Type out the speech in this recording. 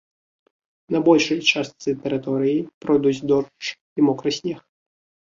На большай частцы тэрыторыі пройдуць дождж і мокры снег.